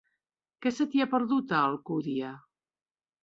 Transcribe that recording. Què se t'hi ha perdut, a Alcúdia?